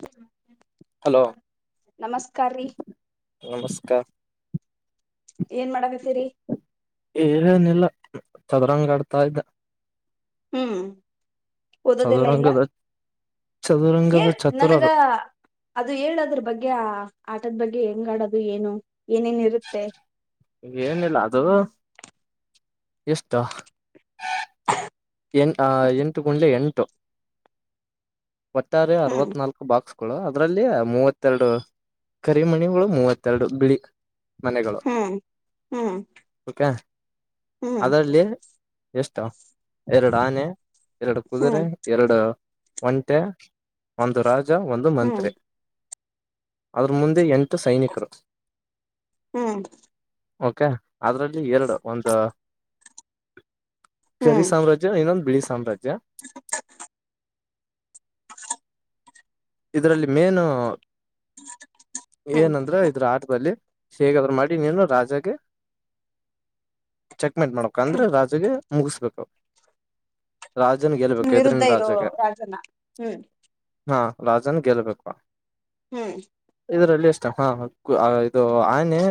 ಹ್ಮ. ಹಲೋ ನಮಸ್ಕಾರ ಏನ್ ಮಾಡಕತೀರಿ. ಏಏನಿಲ್ಲ ಚದರಂಗ ಆಡ್ತಾ ಇದ್ದ ಹ್ಮ್ ಓದೋದೆಲ್ಲ ಎಲ್ಲ. ಚದುರಂಗದ ಹ ಚದುರಂಗದ ನನಗ ಚತುರರು ಅದು ಹೇಳದ್ರ ಬಗ್ಗೆ ಆಟದ ಬಗ್ಗೆ. ಗೆ ಹೆಂಗ ಆಡೋದು ಏನು. ಏನೇನ್ ಇರುತ್ತೆ ಏನಿಲ್ಲ ಅದು ಎಷ್ಟ. ಎ ಎಂಟು ಗುಂಡೆ ಎಂಟು. ಒಟ್ಟಾರೆ ಹ್ಮ್ ಅರವತ್ನಾಲ್ಕು ಬಾಕ್ಸ್. ಳ ಅದ್ರಲ್ಲಿಯ ಮೂವತ್ತೆರಡು ಕರಿಮಣಿಗಳು ಮೂವತ್ತೆರಡು ಬಿಳಿ. ಮನೆಗಳು ಹ್ಮ್ ಹ್ಮ್ ಓಕೆ ಹ್ಮ್ ಅದರಲ್ಲಿ ಎಷ್ಟು ಎರಡು ಆನೆ ಎರಡು ಹ್ಮ್ ಕುದುರೆ ಎರಡು ಒಂಟೆ ಒಂದು ರಾಜ ಒಂದು ಹ್ಮ್ ಮಂತ್ರಿ ಅದರ ಮುಂದೆ ಎಂಟು ಸೈನಿಕರು ಹ್ಮ್ ಓಕೆ ಅದ್ರಲ್ಲಿ ಎರಡು ಒಂದು. ಹ್ಮ್ ಕೆರಿ ಸಾಮ್ರಾಜ್ಯ ಇನ್ನೊಂದು ಬಿಳಿ ಸಾಮ್ರಾಜ್ಯ. ಇದ್ರಲ್ಲಿ ಮೇನ್ ಹ್ಮ್ ಏನಂದ್ರೆ ಇದ್ರ ಆಟದಲ್ಲಿ. ಹೇಗಾದ್ರರು ಮಾಡಿ ನೀನು ರಾಜಾಗ ಚೆಕ್ಮೆಂಟ್ ಮಾಡಕ ಅಂದ್ರೆ ರಾಜಗೆ. ಮುಗಿಸ್ಬೇಕೂ ರಾಜನ ಗೆಲ್ಬೇಕು ವಿರುದ್ಧ ಹೆದುರಿನ ಇರೋ ರಾಜಾಗ. ರಾಜನ ಹ್ಮ್ ಹಾ ರಾಜನ್ ಗೆಲ್ಬೇಕು. ಹ್ಮ್ ಇದರಲ್ಲಿ ಎಷ್ಟ ಹಾ ಇದು ಆನೆ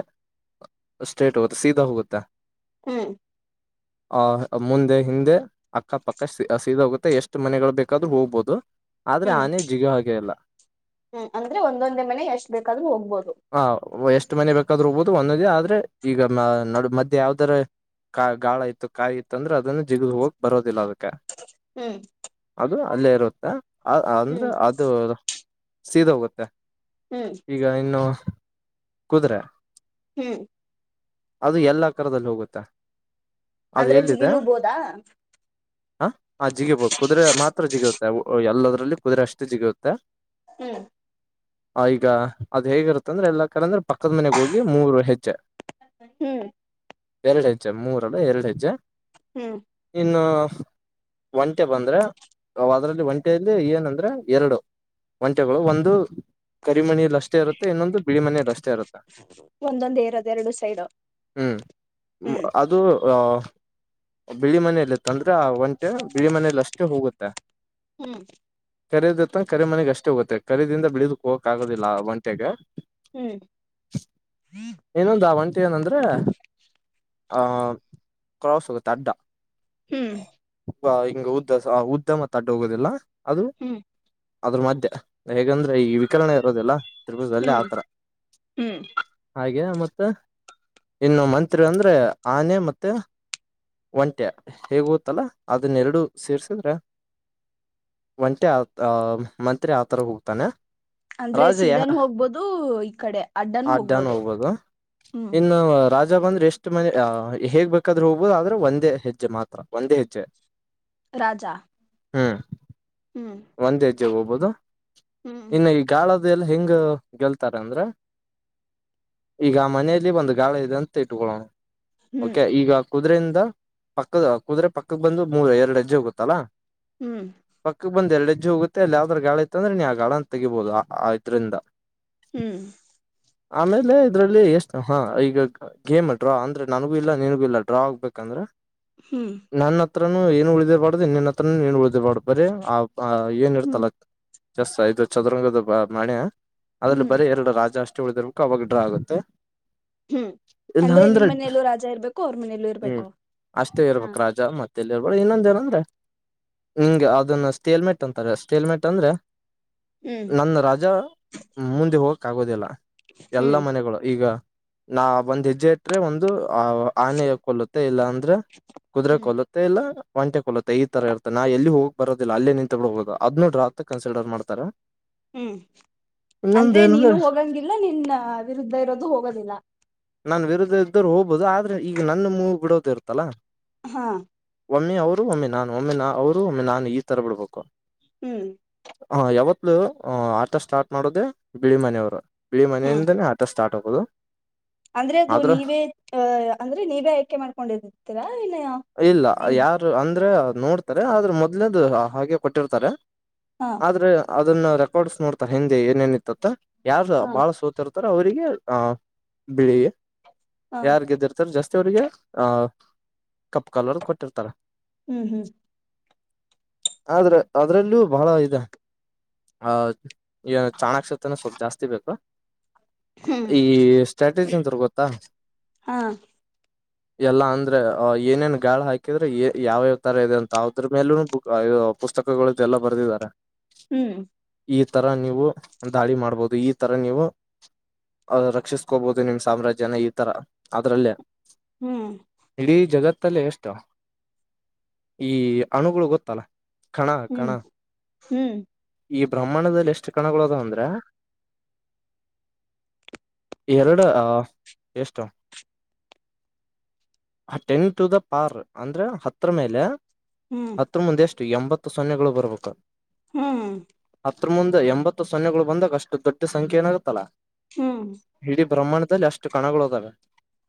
ಸ್ಟ್ರೇಟ್ ಹೋಗುತ್ತೆ ಸೀದಾ ಹೋಗುತ್ತೆ ಹ್ಮ್ ಆಹ ಮುಂದೆ ಹಿಂದೆ ಅಕ್ಕಪಕ್ಕ ಸೀದೋಗುತ್ತೆ ಎಷ್ಟು ಮನೆಗಳು ಬೇಕಾದ್ರೂ ಹೋಗ್ಬೋುದು ಆದ್ರೆ ಹ್ಮ್ ಆನೆೇ ಜಿಗಿ ಹಾಗೆ ಇಲ್ಲ ಹ್ಮ್ ಅಂದ್ರೆ ಒಂದೊಂದೇ ಮನೆ ಎಷ್ಟ ಬೇಕಾದ್ೂ ಹೋಗ್ಬೋದು ಆ ಎಷ್ಟು ಮನೆ ಬೇಕಾದ್ಹೋಗಬೋುದು ಒಂದದೇ ಆದ್ರೆ ಈಗ ನ ಮಧ್ಯೆ ಯಾವ್ದರ ಕಾ ಗಾಳ ಇತ್ತು ಕಾಯಿ ಇತ್ತು ಅಂದ್ರೆ ಅದನ್ನ ಜಿಗದ ಹೋಗಿ ಬರೋದಿಲ್ಲ ಅದಕ್ಕೆ ಹ್ಮ್ ಅಲ್ಲೇ ಇರುತ್ತೆ ಅಂದ್ರೆ ಹ್ಮ್ ಅದು ಸೀದ ಹೋಗುತ್ತೆ ಹ್ಮ್ ಈಗ ಇನ್ನು ಕುದು್ರೆ ಹ್ಮ್ ಅದು ಎಲ್ಲಾ ಕರದಲ್ಲಿ ಹೋಗುತ್ತೆ ಅದು ಅಂದ್ರೆ ಎಲ್ಲಿದೆ ಜಿಗಿಲುಬೋದಾ ಹ ಆ ಜಿಗಿಬಹುದು ಕುದುರೆ ಮಾತ್ರ ಜಿಗಿ ಎಲ್ಲದರಲ್ಲಿ ಕುದುರೆ ಅಷ್ಟೇ ಜಿಗಿಯುತ್ತೆ ಹ್ಮ್ ಈಗ ಅದ್ ಹೇಗಿರುತ್ತಂದ್ರೆ ಎಲ್ಲಾ ಕರಂದ್ರೆ ಪಕ್ಕದ ಮನೆಗೆ ಹೋಗಿ ಮೂರು ಹೆಜ್ಜೆ ಹ್ಮ್ ಎರಡು ಹೆಜ್ಜೆ ಮೂರಲ್ಲ ಎರಡು ಹೆಜ್ಜೆ ಹ್ಮ್ ಇನ್ನು ಒಂಟೆ ಬಂದ್ರೆ ಅದ್ರಲ್ಲಿ ಒಂಟೆೆಯಲ್ಲಿ ಏನಂದ್ರೆ ಎರಡು ಒಂಚೆಗಳು ಒಂದು ಕರಿಮನಲಿ ಅಷ್ಟೇ ಇರುತ್ತೆ ಇನ್ನೊಂದು ಬಿಳಿ ಮನಲಿ ಅಷ್ಟೇ ಒಂದೊಂದೇ ಇರೋದ ಎರಡು ಸೈಡ್ ಹ್ಮ್ ಹ್ಮ್ ಅದು ಆ ಬಿಳಿ ಮನೆಯಲ್ಲಿತ್ತ ಅಂದ್ರೆ ಆ ಒಂಟೆ ಬಿಳಿ ಮನೆಯಲ್ಲಿ ಅಷ್ಟೇ ಹೋಗುತ್ತೆ ಹ್ಮ್ ಕರೀದತ್ತ ಕರಿ ಮನೆಗ್ ಅಷ್ಟೇ ಹೋಗುತ್ತೆ ಕರೀದಿಂದ ಬಿಳಿದಕ್ ಹೋಗಕ್ ಆಗೋದಿಲ್ಲ ಒಂಟೆಗೆ ಹ್ಮ್ ಇಏನೊಂದ ಒಂಟ ಏನಂದ್ರೆ ಆಹ ಕ್ರಾಸ್ ಹೋಗುತ್ತೆ ಅಡ್ಡ ಹ್ಮ್ ಹಿಂಗ ಉದ್ದ ಉದ್ದ ಮತ್ತ ಅಡ್ಡು ಹೋಗೋದಿಲ್ಲ ಅದು ಹ್ಮ್ ಅದ್ರ ಮಧ್ಯೆ ಹೇಗಂದ್ರೆ ಈ ವಿಕರಣ ಇರೋದಿಲ್ಲಲ್ಲ ತ್ರಿಪರ್ಗದಲ್ಲಿ ಆ ಹ್ಮ್ ತರ ಹ್ಮ್ ಹಾಗೆ ಮತ್ತ ಇನ್ನು ಮಂತ್ರಿ ಅಂದ್ರೆ ಆನೆ ಮತ್ತೆ ಒಂಟೆ ಹೇಗ ಗೋತ್ತಲ್ಲಾ ಅದನ್ನೆರಡುಸೇರ್ಸಿದ್ರ ಒಂಟೆ ಆ ಮಂತ್ರಿ ಆತರ ಹೋಗ್ತಾನೆ ಅಂದ್ರೆ ಸೀದಾನ್ ಹೋಗ್ಬೋದು ಕಡೆ ಅಡ್ಡನು ಅಡ್್ಯಾನ್ ಹೋಗ್ಬೋದು ಹೋಗಬೋದು ಹ್ಮ್ ಇನ್ನು ರಾಜಾ ಬಂದ್ರೆ ಎಷ್ಟು ಮನೆ ಹೇಗ್ಬೇಕೇಕಾದ್ರೆ ಹೋಗ್ಬೋುದು ಆದ್ರೆ ಒಂದೇ ಹೆಜ್ಜೆ ಮಾತ್ರ ಒಂದೇ ಹೆಜ್ಜೆ ರಾಜಾ ಹ್ಮ್ಮ್ ಹ್ಮ್ ಜ ಹೋಗಬೋದು ಹ್ಮ್ ಇನ್ನು ಈ ಗಾಳದ ಎಲ್ಲ ಹೆಂಗ ಗೆಲ್ತಾರ ಅಂದ್ರ ಈಗ ಮನೆಯಲ್ಲಿ ಒಂದು ಗಾಳ ಇದೆ ಅಂತ ಇಟ್ಕೊಳ್ಳೋಣ ಹ್ಮ್ ಓಕೆ ಈಗ ಕುದುರೆಯಿಂದ ಪಕ್ಕದ ಕುದ್ರೆ ಪಕ್ಕದ ಬಂದು ಮೂರ್ ಎರಡು ಅಜ್ಜೆ ಹೋಗುತ್ತಲ್ಲಾ ಹ್ಮ್ ಬಂದ ಎರಡುಜ್ಜು ಹೋಗುತ್ತೆ ಅಲ್ಲಿ ಯಾವ್ದ್ರ ಗಾಳ ಇಐತ್ತ ಅಂದ್ರೆ ನೀ ಆ ಗಾ ಅಂತ ತೆಗಿಬಹದು ಆ ಇದ್ರಿಂದ ಹ್ಮ್ ಆಮೇಲೆ ಇದ್ರಲ್ಲಿ ಎಷ್ಟು ಹಾ ಈಗ ಗೇಮ್ ಡ್ರಾ ಅಂದ್ರೆ ನಾನಗು ಇಲ್ಲ ನೀನ್ಗು ಇಲ್ಲ ಡ್ರಾ ಆಗ್ಬೇಕಂದ್ರೆ ಹ್ಮ್ ನನ್ನ ಹತ್ರನು ಏನು ಉಳ್ದೇಬಾರ್ದು ಇನ್ನನ್ನ ಹತ್ರನು ನೀಏನು ಉಳ್ದೇಬಾರ್ದ ಬರೀ ಆ ಏನ್ ಹ್ಮ್ ಇರ್ತಲ್ಲ ಜಾಸ್ ಇದು ಚದುರಂಗದ ಬ ಮಣೆ ಅದ್ರಲ್ಲಿ ಹ್ಮ್ ಬರೀ ಎರಡು ರಾಜ ಅಷ್ಟೇ ಉಳಿದಿರ್ಬೇಕು ಅವಾಗ ಡ್ರಾ ಆಗುತ್ತೆ ಹ್ಮ್ ಅಂದ್ರೆ ನಿಮ್ ಮನೆಯಲ್ಲೂ ರಾಜಾ ಇರ್ಬೇಕು ಅವ್ರ ಮನೆಯಲ್ಲೂ ಹ್ಮ್ ಇರ್ಬೇಕು ಅಷ್ಟೇ ಹ ಇರ್ಬೇಕ ರಾಜ ಮತ್ೆ ರ್ಬೇಡ ಇನ್ನೊಂದ ಏನ ಅಂದ್ರೆ ನಿಿಂಗಗೆ ಅದನ್ನ ಸ್ಟೀಲ್ಮೆಟ್ ಅಂತಾರೆ ಸ್ಟೀಲ್ಮೆಟ್ ಅಂದ್ರೆ ಹ್ಮ್ ನನ್ನ ರಾಜ ಮುಂದೆ ಹೋಗಕ್ ಆಗೋದಿಲ್ಲ ಎಲ್ಲ ಹ್ಮ್ ಮನೆಗಳು ಈಗ ನಾ ಒಂದ್ ಹೆಜ್ಜೆಟ್ರೆ ಒಂದು ಆನೆ ಕೊೊಳ್ಳುತ್ತೆ ಇಲ್ಲ ಅಂದ್ರೆ ಕುದುರೆ ಹ್ಮ್ ಕೊಲತ್ತೆ ಇಲ್ಲ ಒಂಟೆ ಕೊಲತ್ತೆ ಈ ತರ ಇರ್ತ್ತೆ ನಾ ಎಲ್ಲಿ ಹೋಗಿ ಬರೋದ ಲ್ಲ ಅಲ್ಲೇ ನಿನ್ ತೊಗಿ ಹೋಗೋುದು ಅದ್ಡ್ರ ಆತ್ ಕನ್ಸಿರ್ ಮಾಡ್ತಾರೆ ಹ್ಮ್ ಅಂದ್ರೆ ನೀನು ಹೋಗಂಗಿಲ್ಲ ನಿನ್ ವಿರುದ್ಧ ಇರೋದು ಹೋಗೋದಿಲ್ಲ ನಾನ್ ವಿರುದ ಇದ್ದ್ರು ಹೋಗ್ಹುದು ಆದ್ರೆ ಈಗ ನನ್ನ ಮೂಗ ಬಿಡೋದ ಇರ್ತ್ತಲ್ಲಾ ಹಾ ಒಮ್ಮೆ ಅವರು ಒಮ್ಮೆ ನಾನು ಒಮ್ಮೆ ನಾ ಅವರು ಒಮ್ಮೆ ನಾನು ಈ ತರ ಬಿಡ್ಬೇಕು ಹ್ಮ್ ಹ ಯಾವತ್ತು ಮಕ್ಕಳ ಆಟ ಸ್ಟಾರ್ಟ್ ಮಾಡೋದೆೇ ಬಿಳಿ ಮನೆಯವ್ರು ಬಿಳಿ ಹ್ಮ್ ಮನೆಯಿಂದಾನೇ ಆಟ ಸ್ಟಾರ್ಟ್ ಹೋಗೋದು ಅಂದ್ರೆ ಅದು ನೀವೇ ಅ ಅಂದ್ರೆ ನೀವೇ ಆಯ್ಕೆ ಮಾಡ್ಕೊಂಡತೀರಾ ವಿನಯ ಇಲ್ಲ ಯಾರು ಅಂದ್ರೆ ನೋಡ್ತಾರೆ ಆದ್ರೆ ಮೊದ್ಲೇದು ಹಾಗೆ ಕೊಟ್ಟಿರ್ತಾರೆ ಹಾ ಆದ್ರೆ ಅದನ್ನ ರೆಕಾರ್ಡ್ಸ್ ನೋಡ್ತಾರೆ ಹಿಂದೆ ಏನೇನಿತ್ತತ್ತ ಯಾರು ಹ ಬಾಳ ಸೋತಿರತ್ತ ಅವ್ರರಿಗೆ ಆ ಬಿಳಿಿಗೆ ಹ ಯಾರ್ ದಿರ್ತಾರ ಜಾಸ್ತಿ ವ್ರಿಗೆ ಆಹ ಕಪ್ ಕಾಲರ್ ಕೊಟ್ಟಿರ್ತಾರ ಹ್ಮ್ ಹ್ಮ್ ಆದ್ರ ಅದರಲ್ಲೂ ಬಹಳ ಇದೆ ಹ ಇವನು ಚಾಣಾಕಸತನ ಸ್ವಲ್ಪ ಜಾಸ್ತಿ ಬೇಕಾ ಹ್ಮ್ ಈ ಸ್ಟ್ರಾಟಜಿ ಎಂತ ತರ್ಗೊತ್ತಾ ಹಾ ಎಲ್ಲಾ ಅಂದ್ರೆ ಏನೇನ್ ಗಾಳ ಹಾಕಿದ್ರೆ ಯಾವ್ಯಾವ ತರ ಇದೆ ಅಂತಾವ್ರ ಮೇಲೂನು ಬ ದು ಪುಸ್ತಕಗಳ್ದೆಲ್ಲ ಬರೆದಿದ್ದಾರೆ ಹ್ಮ್ ಈ ತರ ನೀವು ದಾಳಿ ಮಾಡ್ಬಹದು ಈ ತರ ನೀವು ರಕ್ಷಿಸ್ಕೋಬೋದು ನಿಮ್ ಸಾಮ್ರಾಜ್ಯನ ಈ ತರ ಅದ್ರಲ್ಲೇ ಹ್ಮ್ ಇಡೀ ಜಗತ್ತಲ್ಲೇ ಎಷ್ಟು ಈ ಅಣುಗಳು ಗೊತ್ತ ತಲ ಹ್ಮ್ ಹ್ಮ್ ಈ ಬ್ರಹ್ಮಣದಲ್ಲಿ ಎಷ್ಟು ಕಣಗಳುದು ಅಂದ್ರೆ ಎರಡು ಅ ಎಷ್ಟು ಟೆನ್ ಟು ದ ಪಾರ್ ಅಂದ್ರೆ ಹತ್ರರ ಮೇಲೆ ಹ್ಮ್ ಹತ್ತ ಮುಂದೆ ಎಷ್ಟು ಎಂಬತ್ತು ಸೊನ್ನೆಗಳು ಬರ್ಬೇಕ ಹ್ಮ್ ಅ ಮುಂದೆ ಎಂಬತ್ತು ಸೊನ್ನೆಗಳು ಬಂದಾಗ ಅಷ್ಟು ದೊಡ್ಡ ಸಂಖ್ಯೆ ಏನಾಗಗತ್ತಲ್ಲಾ ಹ್ಮ್ ಇಡೀ ಬ್ರಹ್ಮಾಂಡದಲ್ಲಿ ಅಷ್ಟು ಕಣಗಳುದಾವೆ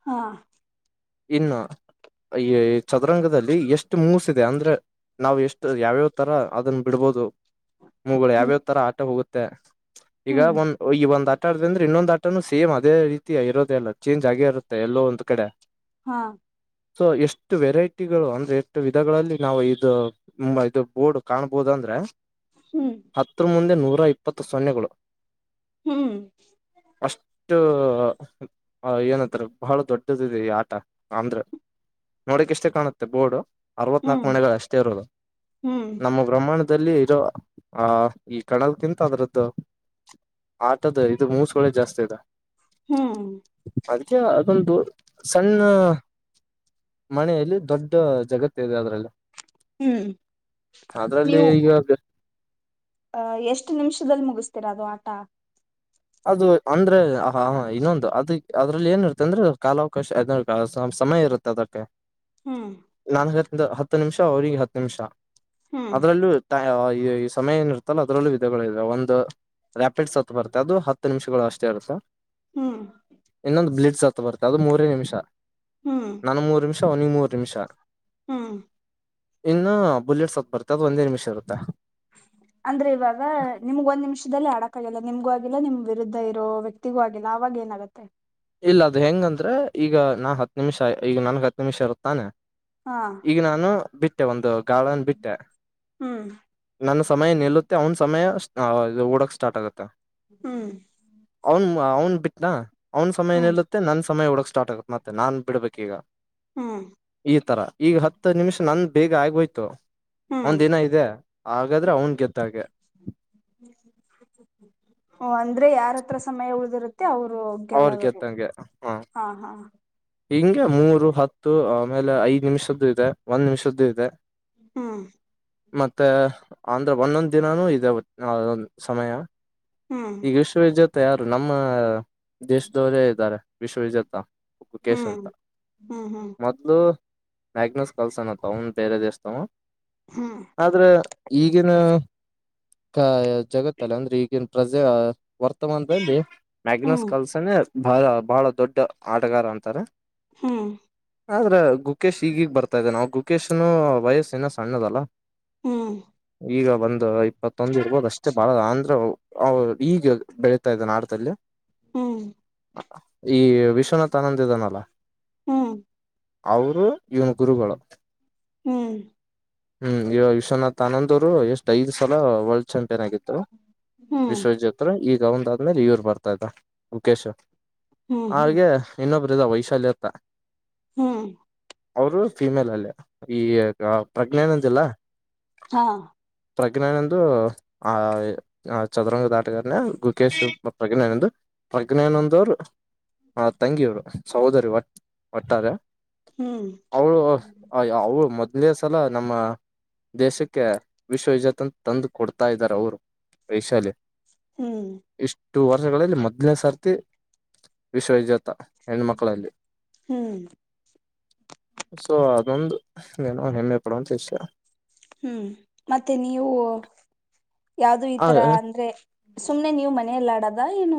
ಹಾ ಇನ್ನ ಈ ಚದರಂಗದಲ್ಲಿ ಎಷ್ಟು ಮೂಸ ಇದೆ ಅಂದ್ರೆ ನಾ್ ಎಷ್ಟು ಯಾವ್ಯಾವ್ ತರ ಅದನ್ನ ಬಿಡ್ಬೋದು ಮೂಗಗಳು ಹ್ಮ್ ಯಾವ್ಯಾವ್ ತರ ಆಟ ಹೋಗುತ್ತೆ ಈಗ ಹ್ಮ್ ಒಂದ ಈ ಒಂದ ಆಟ ಆ ಅಂದ್ರೆ ಇನ್ನೊಂದ ಆಟನು ಸೇಮ್ ಅದೇ ರೀತಿ ಇೋದೆಲ್ಲ ಚೇಜ್ ಆಗೇ ಇರುತ್ತೆ ಎಲ್ಲೋ ಒಂದ್ ಕಡೆ ಹಾ ಸೊ ಎಷ್ಟು ವೆರೈಟಿಗಳು ಅಂದ್ರೆ ಎಷ್ಟು ವಿಧಗಳಲ್ಲಿ ನಾವು ಇ ಇ ಬೋರ್ಡ್ ಕಾಣಬಹುದು ಅಂದ್ರೆ ಹ್ಮ್ ಹತ್ರರ ಮುಂದೆ ನೂರ ಇಪ್ಪತ್ತು ಸೊನ್ನೆಗಳು ಹ್ಮ್ ಅಷ್ಟು ಏನಂತಾರ ಬಹಳ ದೊಡ್ಡದ ಇದೆ ಈ ಆಟ ಅಮಂದ್ರ ನೋಡಕ್ ಇಷ್ಟೇ ಕಾಣುತ್ತೆ ಬೋರ್ಡ್ ಅರವತ್ ನಾಕು ಹ್ಮ್ ಮನೆಗಳು ಅಷ್ಟೇ ಇರೋದು ಹ್ಮ್ ನಮ್ಮ ಗ್ರ ಪ್ರಮಾಣದಲ್ಲಿ ಇರೋ ಆ ಈ ಕಣದಕ್ಕಿಂತ ಅದ್ರದ್ದು ಆತದ ಇದು ಮೂಸ್ಗಳಳೆ ಜಾಸ್ತಿ ಅದ ಹ್ಮ್ ಅ ಅದೊಂದು ಸಣ್ಣ ಮನೆಯಲ್ಲಿ ದೊಡ್ಡ ಜಗತ್ತ ಇದೆ ಅದ್ರಲ್ಲ ಹ್ಮ್ ಅದ್ರಲ್ಲಿ ಈಗ ಅಹ ಎಷ್ಟು ನಿಮಿಷದಲ್ಲಿ ಮುಗಿಸ್ತೀರಾ ಅದು ಆಟ ಅದು ಅಂದ್ರೆ ಹ ಇನ್ನೊಂದು ಅದ ಅದ್ರಲ್ಲಿ ಏನಿ ಇರ್ತ್ತ ಅಂದ್ರೆ ಕಾಲಾವಕಾಶ ಸಮಯ ಇರುತ್ತೆ ಅದಕ್ಕೆ ಹ್ಮ್ ನಾನ್ ಹೇಳ್ತಿದ್ದ ಹತ್ತು ನಿಮಿಷ ಅವರಿಗೆ ಹತ್ತು ನಿಮಿಷ ಹ್ಮ್ ಅದ್ರಲ್ಲೂ ಈ ಸಮಯ ಏನಿರ್ತ್ತಲ್ಲ ಅದ್ರಲ್ಲೂ ವಿಧಗಳುೆ ಒಂದು ರ್ಯಾಪಿಡ್ ಸತ್ತು ಬರ್ೆ ಅದು ಹತ್ತು ನಿಮಿಷಗಳು ಅಷ್ಟೇ ಅರ್ಸ ಹ್ಮ್ ೊಂದು ಬ್ಲಿಡ್ ಸತ್ತ ಬರ್ತ್ತೆ ಅದು ಮೂರೇ ನಿಮಿಷ ಹ್ಮ್ ನನ್ ಮೂರು ನಿಮಿಷ ಅವನಿಿಗೆ ಮೂರ್ ನಿಮಿಷ ಹ್ಮ್ ಇನ್ನು ಬುಲೆಟ್ಸ್ತ್ ಬರ್ತ್ತೆ ಅದ ಒಂದೇ ನಿಮಿಷ ಇರುತ್ತೆ ಅಂದ್ರೆ ಇವಾಗ ನಿಮ್ಗ ಒಂದ್ ನಿಮಿಷದಲ್ಲಿ ಅಡಕ್ ಕೈಯ ಎಲ್ಲ ನಿಮ್ಗೂ ಆಗಿಲ್ಲ ನಿಮ್ ವಿರುದ್ಧ ಇರೋ ವ್ಯಕ್ತಿಗೂ ಆಗಿಲ್ಲ ಆವಾಗ ಏನಾಗತ್ತೆ ಇಲ್ಲ ಅದು ಹೆಂಗಂದ್ರೆ ಈಗ ನಾ ಹತ್ ನಿಮಿಷ ಈಗ ನನ್ಗ್ ಹತ್ ನಿಮಿಷ ಇರುತ್ತಾನೆ ಹಾ ಈಗ ನಾನು ಬಿಟ್ಟೆ ಒಂದು ಗಾರ್ಳನ್ ಬಿಟ್ಟೆ ಹ್ಮ್ ನಾನ ಸಮಯ ನಿಲ್ಲುತ್ತೆ ಅವ್ನ್ ಸಮಯ ಓಡಕ್ ಸ್ಟಾರ್ಟ್ ಆಗುತ್ತೆ ಹ್ಮ್ ಅವನ್ ಅವ್ನ್ ಬಿಟ್ಟನಾ ಅವ್ನ ಸಮಯ ಹ್ಮ್ ನಿಲ್ಲತ್ತೆ ನನ್ ಸಮಯ ಒಡಕ್ ಸ್ಟಾರ್ಟ್ ಆಗತ್ ಮತ್ತೆ ನಾನ್ ಬಿಡ್ಬೇಕಕ್ ಈಗ ಹ್ಮ್ ಈ ತರ ಈಗ ಹತ್ತು ನಿಮಿಷ ನಂದ ಬೇಗ ಆಗ್ ಹೋಯ್ತು ಹ್ಮ್ ಅವನ್ ದಿನ ಇದೆ ಹಾಗಾದ್ರೆ ಅವನ್ ಗೆ್ದಾಗೆ ಓ ಅಂದ್ರೆ ಯಾರ ಹತ್ರ ಸಮಯ ಉಳಿದಿರುತ್ತೆ ಅವರು ಲ್ಲ ಅವ್ರ ಗೆದ್ದಂಗೆ ಹ ಹಾ ಹಾ ಹಿಂಗೆ ಮೂರು ಹತ್ತು ಆಮೇಲೆ ಐದ್ ನಿಮಿಷದ್ದು ಇದೆ ಒಂದ್ ನಿಮಿಷದ್ದು ಇದೆ ಹ್ಮ್ ಮತ್ತೆ ಅಂದ್ರೆ ಒಂದೊಂದ್ ದಿನಾನೂ ಇದೆ ಅೊಂದ ಸಮಯ ಹ್ಮ್ ಈಗಷ್ಟ ಮ ಯಾರು ನಮ್ಮ ದೇಶದವರೇ ಇದ್ದಾರೆ ವಿಶ್ವವಿಜೇತ ಉಪ್ಪು ಕೇಶ ಹ್ಮ್ ಅಂತ ಹ್ಮ್ ಹ್ಮ್ ಮೊದ್ಲು ಮ್ಯಾಗ್ನೋಸ್ ಕಲ್ಸ ಅನತ್ತ ಅವನ್ ಬೇರೆ ದಸ್ ತಾವ ಆದ್ರೆ ಈಗಿನ ಹ ಜಗತ್ತಲ್ಲ ಅಂದ್ರೆ ಈಗಿನ ಪ್ರಜೆ ವರ್ತಮಾನದಲ್ಲಿ ಮ್ಯಾಗನಸ್ ಹ್ಮ್ ಕಲ್ಸನೇ ಬಹ ಬಹಳ ದೊಡ್ಡ ಆಟಗಾರ ಅಂತಾರೆ. ಹ್ಮ್. ಆದ್ರೆ ಗುಕೇಶ್ ಈಗಿಗ್ ಬರ್ತಾನೇ ನಾವು ಗುಕೇಶ್ ನು ವಯಸ್ಸ ಏನ ಸಣ್ಣದಲ್ಲ. ಹ್ಮ್ ಈಗ ಬಂದ ಇಪ್ಪತ್ತೊಂದು ಇರ್ಬೋದು ಅಷ್ಟೇ ಬಾಳ ಅಂದ್ರೆ ಅವ ಈಗ ಬೆಳೀತಾ ಇದೆ ನಾಟದಲ್ಲಿ ಹ್ಮ್ ಈ ವಿಶ್ವನಾಥ್ ಆನಂದ ಇದಾನಲ್ಲ ಹ್ಮ್ ಅವರು ಇವನ ಗುರುಗಳು ಹ್ಮ್ ಹ್ಮ್ ಈಗ ವಿಶ್ವನಾಥ್ ಆನಂದ್ ಅವರು ಎಷ್ಟ್ ಐ್ ಸಲ ವರ್ಲ್ಡ್ ಚಾಂಪಿಯನ್ ಆಗರು ಹ್ಮ್ ವಿಶ್ವಜ್ತ್ರ ಈಗ ಒಂದ ಆದ್ಮೇಲೆ ಇವ್ರ ಬರ್ತಾ ಇದ್ದ ಮುಕೇಶ ಹ್ಮ್ ಹ್ಮ್ ಹಾಗೆ ಇನ್ನೊಬರು ಇದರ ವೈಶಲ್ಯ ಅಂತ. ಹ್ಮ್. ಅವರು ಫಿಮೇಲ್ ಅಲ್ಲಿ ಈ ಪ್ರಜ್ಞೆನ ಇಲ್ಲ. ಹಾ ಪ್ರಜ್ಞನಂದು ಆ ಚದರಂಗ ಆಟಗಾರ ಗಕೇಶ್ ಪ್ರಜ್ಞೆನಂದು. ಪ್ರಜ್ಞನೊಂದವರು ಆ ತಂಗಿಯವ್ರು ಸಹೋದರಿ ಒಟ್ಟಾರೆ. ಹ್ಮ್ ಅವಳು ಅ ಅವಳು ಮೊದ್ಲೇ ಸಲ ನಮ್ಮ. ದೇಶಕ್ಕೆ ವಿಶ್ವವಿಜತ್ ಅಂತ ತಂದು ಕೊಡ್ತಾ ಇದ್ದಾರೆ ಅವರು ವೈಶಾಲಿ. ಹ್ಮ್. ಈ ವರ್ಷಗಳಲ್ಲಿ ಮೊದ್ನೇ ಸರ್ತಿ ವಿಶ್ವವಿಜಾತಾ. ಹೆಣ್ಣ ಮಕ್ಕಳಲ್ಲಿ ಹ್ಮ್ ಸೊ ಅದೊಂದು. ಹೇ ಏನು ಬಿಡು ಶಿಸ್ಯಾ. ಹ್ಮ್ ಮತ್ತೆ ನೀವು. ಯಾವ್ದು ಈ ತರ ಅಂದ್ರೆ ಸುಮ್ನೆ ನೀವು ಮನೆಲಿ ಆಡದ ಏನು.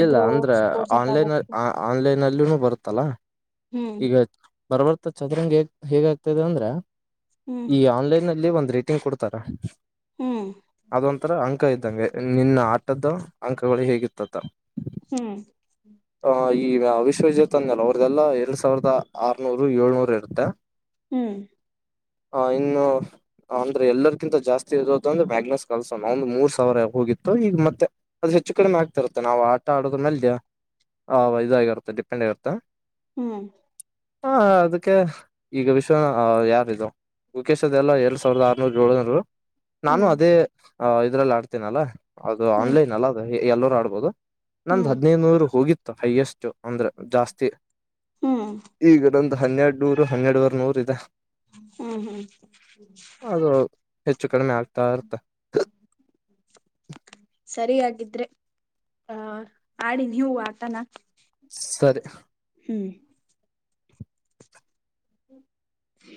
ಇಲ್ಲ ಅಂದ್ರೆ ಸ್ಪೋರ್ಟ್ಸ್ ಇದ್ದಾಗ ಆನ್ಲೈನ್ ಹೋಗ್ತ ಆನ್ಲೈನ್ಲ್ಲಿ. ಎಲ್ಲ ಬರುತ್ತಲ್ಲ ಹ್ಮ್ ಈಗ ಬರಬರುತ ಚದರಂಗಗ್ ಹೇಗ ಆಗ್ತದೆ ಅಂದ್ರೆ. ಹ್ಮ್ ಈ ಆನ್ಲೈನ್ ಅಲ್ಲಿ ಒಂದ್ ರೇಟಿಂಗ್ ಕೊಡ್ತಾರ. ಹ್ಮ್. ಒಂತರ ಅಂಕ ಇದ್ದಂಗೆ ನಿನ್ನ ಆಟದ್ದ ಅಂಕಗಳು ಹೇಗಿರತವ. ಹ್ಮ್. ಆಹ ಈ ವಿಶ್ವವಿಜಾತ ಅಂದಲ್ಲ ಅವ್ರದೆಲ್ಲ ಎರಡ್ ಸಾವಿರದ ಆರ್ನೂರು ಏಳ್ನೂರು ಇರುತ್ತೆ. ಹ್ಮ್. ಹ್ಮ್ಮ್ ಇನ್ನು ಅಂದ್ರೆ ಎಲ್ಲಾರ ಕ್ಕಿಂತ ಜಾಸ್ತಿ ಇರೋದು ಅಂದ್ರೆ ಮ್ಯಾಗ್ನಸ್ ಕಲ್ಸ ನಾವ ಒಂದು ಮೂರ್ ಸಾವಿರ. ಮುಗಿತ್ತು ಈಗ ಮತ್ತೆ ಅದು ಹೆಚ್ಚು ಕಡಿಮೆ ಆಗ್ತಿರುತ್ತೆ ನಾವು ಆ. ಆಡದ ಮೇಲೆ ಆ ಇದಾಗಿರುತ್ತೆ ಡಿಪೆಂಡ್ ಆಗಿರುತ್ತ. ಹ್ಮ್. ಹ್ಮ್ಮ್ ಅದಕ್ಕೆ ಈಗ ವಿಶ್ವನಾ ಯಾರು. ಉಖೇಶ್ ಅದೆ ಎಲ್ಲ ಎರಡ್ ಸಾವಿರದ ಆರು ನೂರ ಏಳ ನೂರ. ನಾನು ಹ್ಮ್ ಅದೇ ಇದ್ರಲ್ಲಿ ಆಡ್ತೇನಲ್ಲ ಅದು ಹ್ಮ್ ಹ್ಮ್ ಆನ್ಲೈನ್ ಅಲ್ಲ ಎಲ್ಲರೂ ಆಡ್ಬೋದು. ನಂದ ಹ್ಮ್ ಹದಿನೈದುನೂರು ಹೋಗಿತ್ತು ಹೈಯೆಸ್ಟ್ ಅಂದ್ರೆ ಜಾಸ್ತಿ ಈಗ. ಹನ್ನೆರಡ ನೂರು ಹನ್ನೆರಡವರೆ ನೂರ ಇದೆ. ಹ್ಮ್ ಹ್ಮ್. ಅದು ಹೆಚ್ಚು ಕಡಿಮೆ ಆಗ್ತ ಇರ್ತಾ. ಹ್ಮ್. ಸರಿಯಾಗಿದ್ರೆ ಆಹ ಆಡಿ ನೀವು ಆತನ. ಸರಿ.